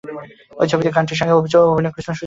ওই ছবিতে গানটির সঙ্গে অভিনয় করেছিলেন সুচিত্রা সেন।